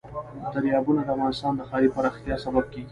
دریابونه د افغانستان د ښاري پراختیا سبب کېږي.